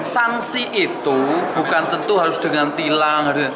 sanksi itu bukan tentu harus dengan tilang